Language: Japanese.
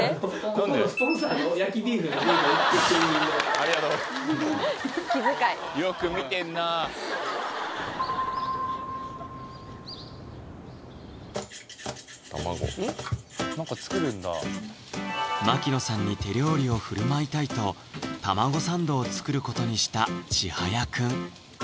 ありがとう気遣いよく見てんなぁ卵何か作るんだ槙野さんに手料理を振る舞いたいと玉子サンドを作ることにしたちはやくん